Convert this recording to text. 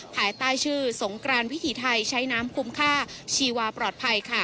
ภายใต้ชื่อสงกรานวิถีไทยใช้น้ำคุ้มค่าชีวาปลอดภัยค่ะ